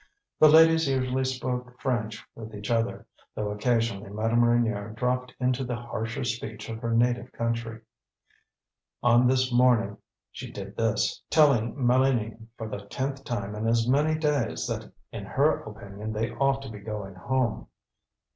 The ladies usually spoke French with each other, though occasionally Madame Reynier dropped into the harsher speech of her native country. On this morning she did this, telling Mélanie, for the tenth time in as many days, that in her opinion they ought to be going home.